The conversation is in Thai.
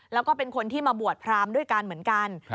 แล้วก็เป็นคนที่มาบวชพรามด้วยกันเหมือนกัน